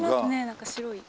何か白い。